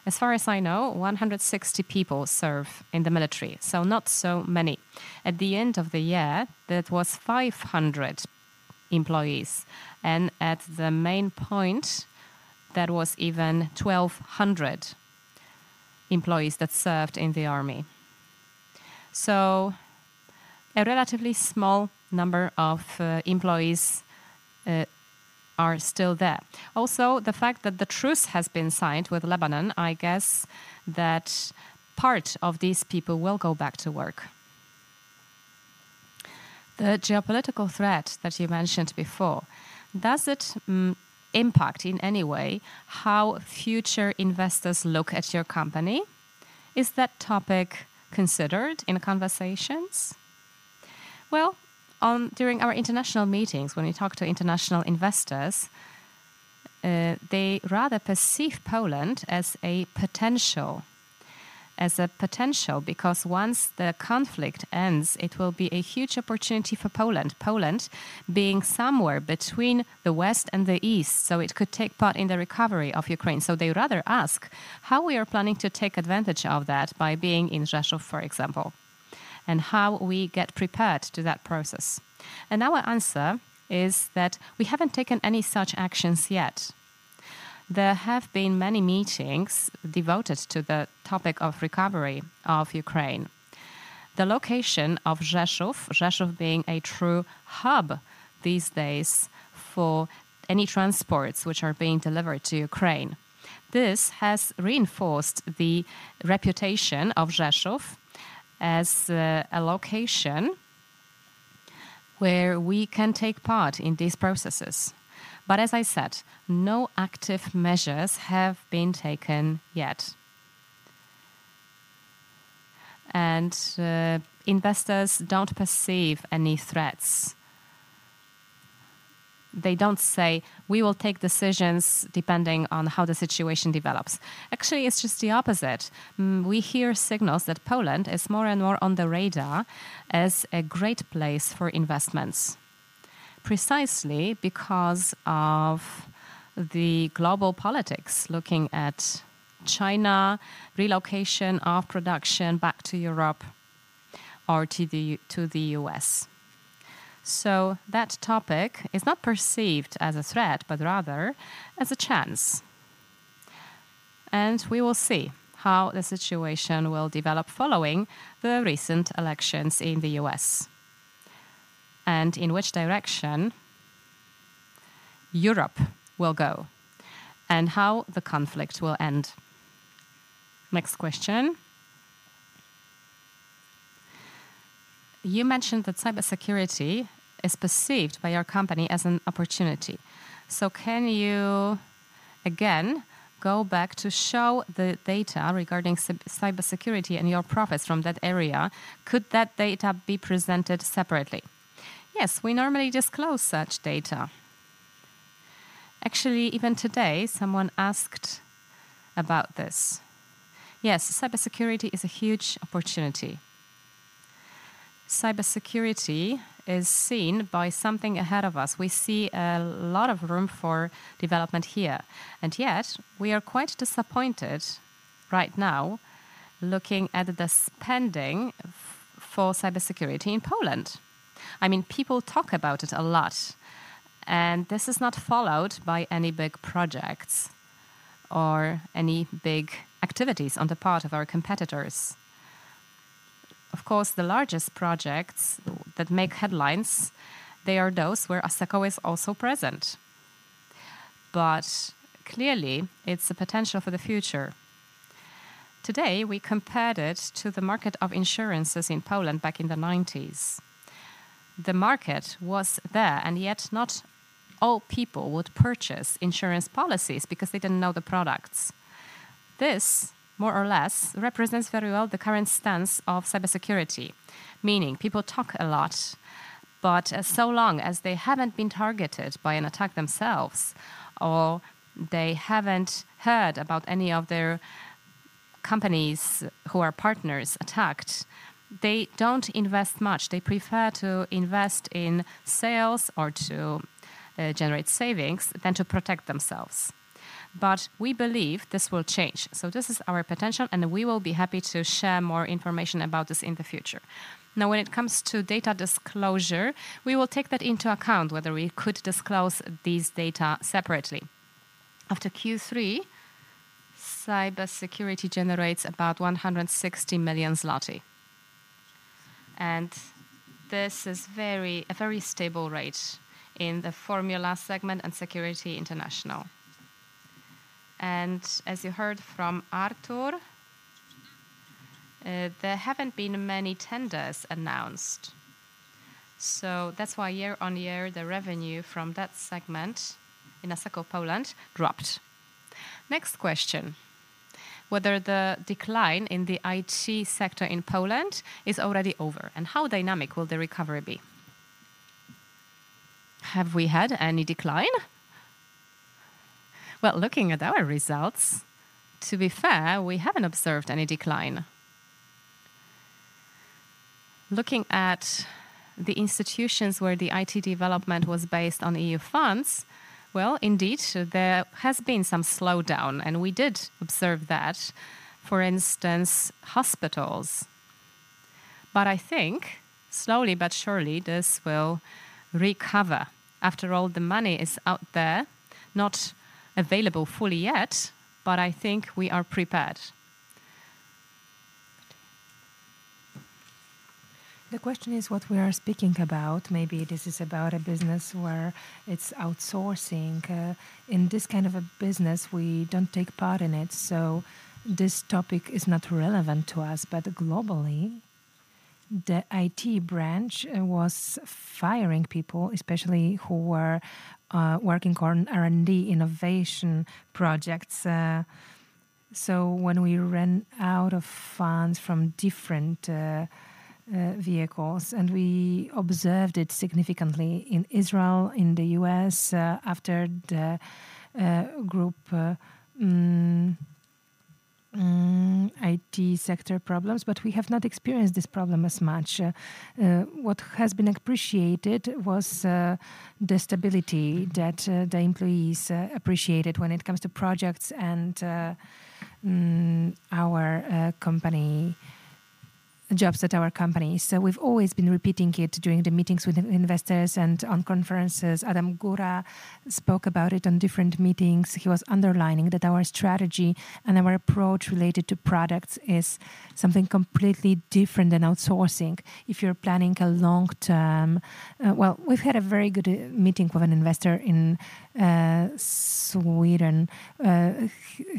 As far as I know, 160 people serve in the military, so not so many. At the end of the year, that was 500 employees. And at the main point, that was even 1,200 employees that served in the army. So a relatively small number of employees are still there. Also, the fact that the truce has been signed with Lebanon, I guess that part of these people will go back to work. The geopolitical threat that you mentioned before, does it impact in any way how future investors look at your company? Is that topic considered in conversations? Well, during our international meetings, when we talk to international investors, they rather perceive Poland as a potential because once the conflict ends, it will be a huge opportunity for Poland, Poland being somewhere between the West and the East. So it could take part in the recovery of Ukraine. So they rather ask how we are planning to take advantage of that by being in Rzeszów, for example, and how we get prepared to that process. And our answer is that we haven't taken any such actions yet. There have been many meetings devoted to the topic of recovery of Ukraine. The location of Rzeszów, Rzeszów being a true hub these days for any transports which are being delivered to Ukraine, this has reinforced the reputation of Rzeszów as a location where we can take part in these processes. But as I said, no active measures have been taken yet, and investors don't perceive any threats. They don't say, "We will take decisions depending on how the situation develops." Actually, it's just the opposite. We hear signals that Poland is more and more on the radar as a great place for investments, precisely because of the global politics looking at China relocation of production back to Europe or to the US, so that topic is not perceived as a threat, but rather as a chance. We will see how the situation will develop following the recent elections in the U.S. and in which direction Europe will go and how the conflict will end. Next question. You mentioned that cybersecurity is perceived by your company as an opportunity. So can you again go back to show the data regarding cybersecurity and your profits from that area? Could that data be presented separately? Yes, we normally disclose such data. Actually, even today, someone asked about this. Yes, cybersecurity is a huge opportunity. Cybersecurity is seen by something ahead of us. We see a lot of room for development here. Yet, we are quite disappointed right now looking at the spending for cybersecurity in Poland. I mean, people talk about it a lot, and this is not followed by any big projects or any big activities on the part of our competitors. Of course, the largest projects that make headlines, they are those where Asseco is also present. But clearly, it's a potential for the future. Today, we compared it to the market of insurances in Poland back in the 1990s. The market was there, and yet not all people would purchase insurance policies because they didn't know the products. This, more or less, represents very well the current stance of cybersecurity, meaning people talk a lot, but so long as they haven't been targeted by an attack themselves or they haven't heard about any of their companies who are partners attacked, they don't invest much. They prefer to invest in sales or to generate savings than to protect themselves. But we believe this will change. So this is our potential, and we will be happy to share more information about this in the future. Now, when it comes to data disclosure, we will take that into account, whether we could disclose these data separately. After Q3, cybersecurity generates about PLN 160 million. And this is a very stable rate in the Formula segment and Asseco International. And as you heard from Artur, there haven't been many tenders announced. So that's why year on year, the revenue from that segment in Asseco Poland dropped. Next question. Whether the decline in the IT sector in Poland is already over and how dynamic will the recovery be? Have we had any decline? Well, looking at our results, to be fair, we haven't observed any decline. Looking at the institutions where the IT development was based on EU funds, well, indeed, there has been some slowdown, and we did observe that, for instance, hospitals. But I think slowly but surely this will recover. After all, the money is out there, not available fully yet, but I think we are prepared. The question is what we are speaking about. Maybe this is about a business where it's outsourcing. In this kind of a business, we don't take part in it. So this topic is not relevant to us. But globally, the IT branch was firing people, especially who were working on R&D innovation projects. So when we ran out of funds from different vehicles, and we observed it significantly in Israel, in the U.S., after the group IT sector problems, but we have not experienced this problem as much. What has been appreciated was the stability that the employees appreciated when it comes to projects and our company jobs at our companies. So we've always been repeating it during the meetings with investors and on conferences. Adam Góral spoke about it on different meetings. He was underlining that our strategy and our approach related to products is something completely different than outsourcing. If you're planning a long-term, well, we've had a very good meeting with an investor in Sweden.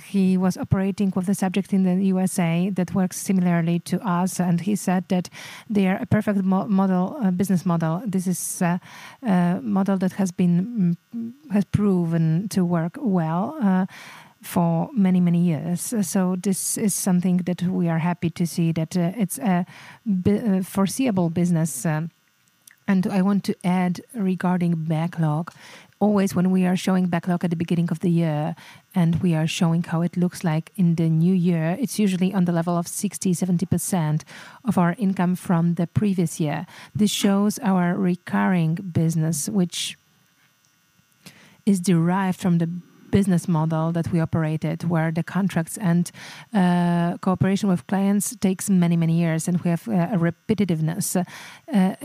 He was operating with a subject in the USA that works similarly to us. And he said that they are a perfect business model. This is a model that has proven to work well for many, many years. So this is something that we are happy to see that it's a foreseeable business. And I want to add regarding backlog. Always when we are showing backlog at the beginning of the year and we are showing how it looks like in the new year, it's usually on the level of 60%-70% of our income from the previous year. This shows our recurring business, which is derived from the business model that we operated, where the contracts and cooperation with clients takes many, many years, and we have a repetitiveness.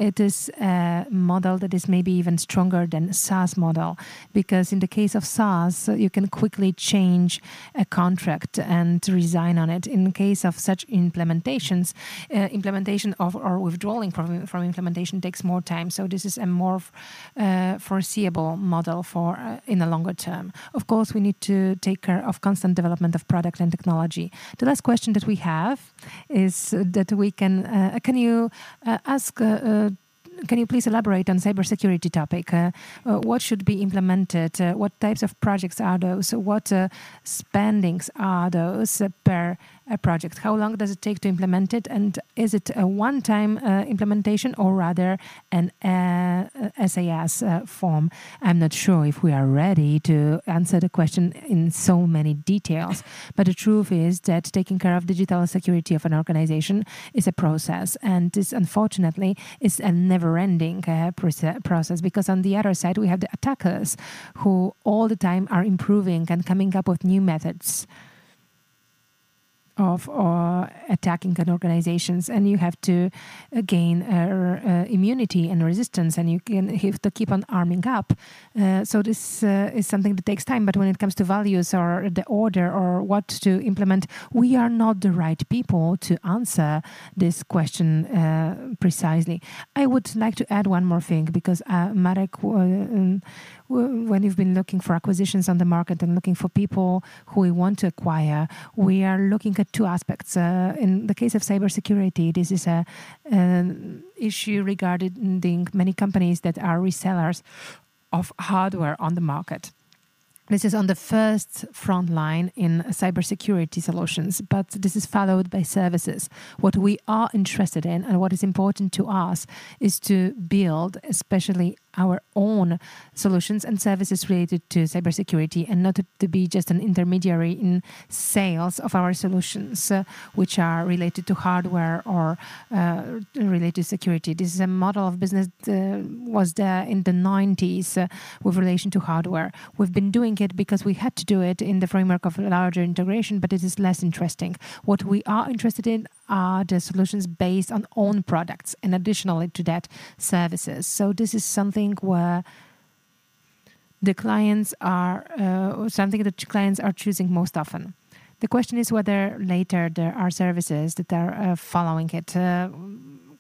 It is a model that is maybe even stronger than SaaS model because in the case of SaaS, you can quickly change a contract and resign on it. In case of such implementations, implementation or withdrawing from implementation takes more time. So this is a more foreseeable model in the longer term. Of course, we need to take care of constant development of product and technology. The last question that we have is, can you please elaborate on cybersecurity topic? What should be implemented? What types of projects are those? What spendings are those per project? How long does it take to implement it? Is it a one-time implementation or rather a SaaS form? I'm not sure if we are ready to answer the question in so many details. The truth is that taking care of digital security of an organization is a process. This, unfortunately, is a never-ending process because on the other side, we have the attackers who all the time are improving and coming up with new methods of attacking organizations. You have to gain immunity and resistance, and you have to keep on arming up. This is something that takes time. When it comes to values or the order or what to implement, we are not the right people to answer this question precisely. I would like to add one more thing because Marek, when you've been looking for acquisitions on the market and looking for people who we want to acquire, we are looking at two aspects. In the case of cybersecurity, this is an issue regarding many companies that are resellers of hardware on the market. This is on the first front line in cybersecurity solutions, but this is followed by services. What we are interested in and what is important to us is to build especially our own solutions and services related to cybersecurity and not to be just an intermediary in sales of our solutions, which are related to hardware or related to security. This is a model of business that was there in the '90s with relation to hardware. We've been doing it because we had to do it in the framework of a larger integration, but it is less interesting. What we are interested in are the solutions based on own products and additionally to that, services, so this is something where the clients are something that clients are choosing most often. The question is whether later there are services that are following it.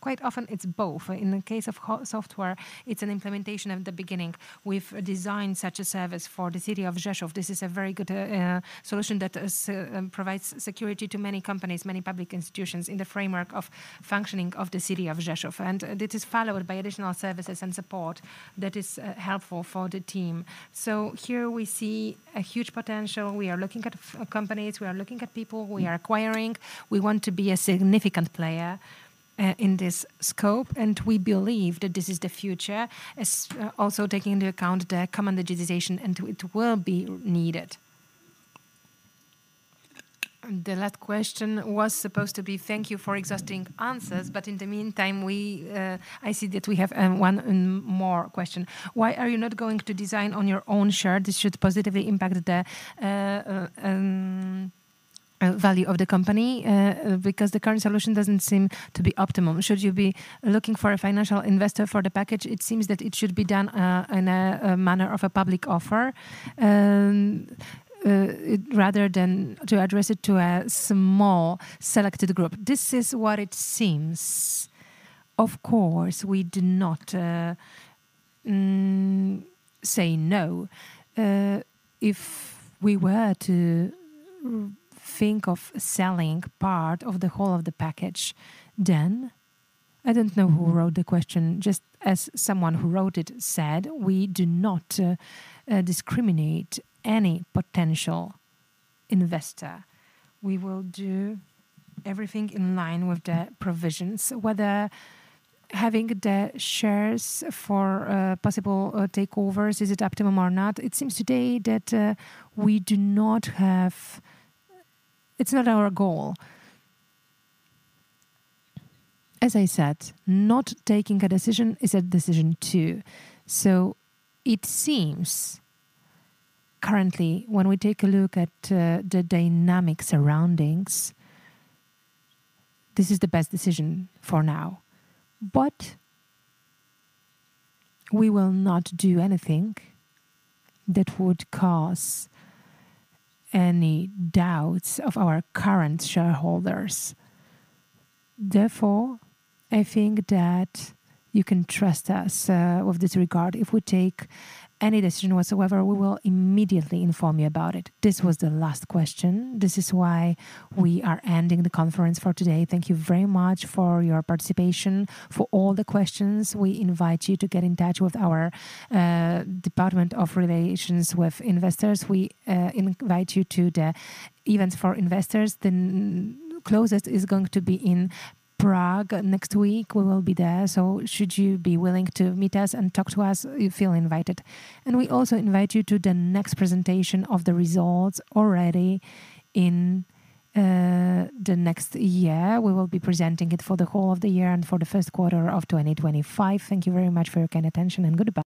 Quite often, it's both. In the case of software, it's an implementation at the beginning. We've designed such a service for the city of Rzeszów. This is a very good solution that provides security to many companies, many public institutions in the framework of functioning of the city of Rzeszów, and this is followed by additional services and support that is helpful for the team, so here we see a huge potential. We are looking at companies. We are looking at people. We are acquiring. We want to be a significant player in this scope. And we believe that this is the future, also taking into account the common digitization, and it will be needed. The last question was supposed to be, "Thank you for exhaustive answers." But in the meantime, I see that we have one more question. Why are you not going to buy back your own shares? This should positively impact the value of the company because the current solution doesn't seem to be optimum. Should you be looking for a financial investor for the package? It seems that it should be done in a manner of a public offer rather than to address it to a small selected group. This is what it seems. Of course, we do not say no. If we were to think of selling part of the whole of the package, then I don't know who wrote the question. Just as someone who wrote it said, we do not discriminate any potential investor. We will do everything in line with the provisions. Whether having the shares for possible takeovers is optimum or not? It seems today that we do not have it. It's not our goal. As I said, not taking a decision is a decision too, so it seems currently, when we take a look at the dynamic surroundings, this is the best decision for now, but we will not do anything that would cause any doubts of our current shareholders. Therefore, I think that you can trust us in this regard. If we take any decision whatsoever, we will immediately inform you about it. This was the last question. This is why we are ending the conference for today. Thank you very much for your participation. For all the questions, we invite you to get in touch with our Investor Relations Department. We invite you to the events for investors. The closest is going to be in Prague next week. We will be there, so should you be willing to meet us and talk to us, you feel invited, and we also invite you to the next presentation of the results already in the next year. We will be presenting it for the whole of the year and for the first quarter of 2025. Thank you very much for your kind attention and goodbye.